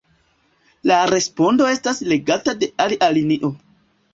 La respondo estas legata de alia linio.